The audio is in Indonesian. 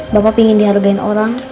bapak pengen dihargain orang